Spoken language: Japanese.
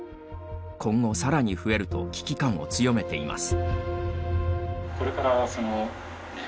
今後、さらに増えると危機感を強めています。